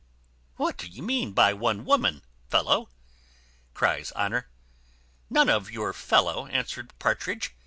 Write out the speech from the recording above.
"What do you mean by one woman, fellow?" cries Honour. "None of your fellow," answered Partridge.